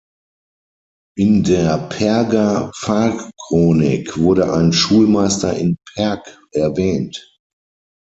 In der Perger Pfarrchronik wurde ein Schulmeister in Perg erwähnt.